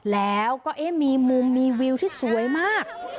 แล้วก็มีมุมมีวิวที่สวยมาก